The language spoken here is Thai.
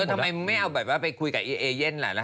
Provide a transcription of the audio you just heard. ทำไมไม่เอาแบบว่าไปคุยกับอีเอเย่นล่ะล่ะ